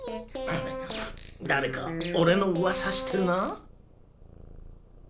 だれかおれのうわさしてるな？